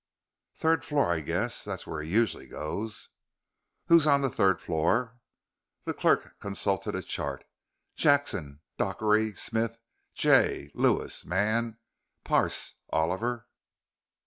"Third floor, I guess. That's where he usually goes." "Who's on the th third floor?" The clerk consulted a chart. "Jackson, Dockeray, Smith, Jay, Lewis, Mann, Parce, Oliver...."